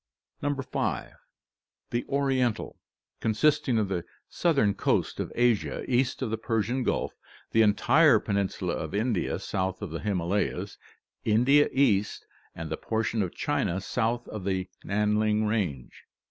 5. Hie Oriental, consisting of the southern coast of Asia east of the Persian Gulf, the entire peninsula of India south of the Himalayas, India East, and the portion of China south of the Nan ling Range.